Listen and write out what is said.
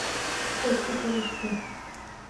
Госпитальыште